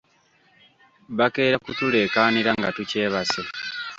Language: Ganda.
Bakeera kutuleekaanira nga tukyebase.